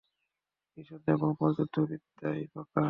নিঃসন্দেহে মুহাম্মাদ যুদ্ধ-বিদ্যায় পাকা।